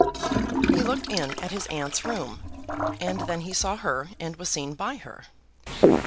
He looked in at his aunt's room, and then he saw her and was seen by her.